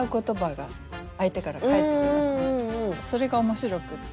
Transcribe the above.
それが面白くって。